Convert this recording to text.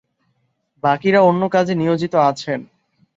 বাকিরা অন্য কাজে নিয়োজিত আছেন।